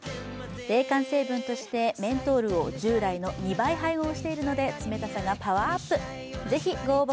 冷感成分として、メントールを従来の２倍配合しているので、冷たさがパワーアップ。